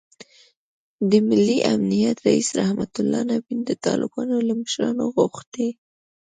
د ملي امنیت رییس رحمتالله نبیل د طالبانو له مشرانو غوښتي